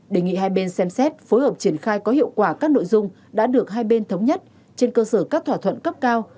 đề nghị hai bên xem xét phối hợp triển khai có hiệu quả các nội dung đã được hai bên thống nhất trên cơ sở các thỏa thuận cấp cao